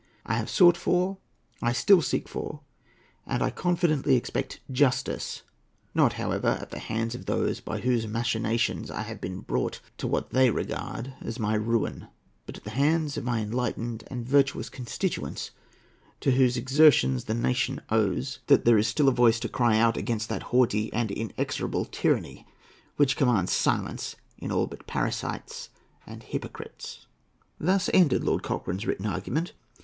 I have sought for, I still seek for, and I confidently expect JUSTICE; not, however, at the hands of those by whose machinations I have been brought to what they regard as my ruin, but at the hands of my enlightened and virtuous constituents, to whose exertions the nation owes that there is still a voice to cry out against that haughty and inexorable tyranny which commands silence to all but parasites and hypocrites." Thus ended Lord Cochrane's written argument.